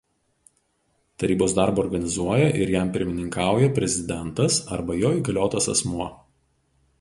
Tarybos darbą organizuoja ir jam pirmininkauja Prezidentas arba jo įgaliotas asmuo.